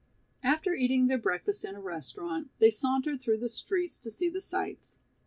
After eating their breakfast in a restaurant, they sauntered through the streets to see the sights.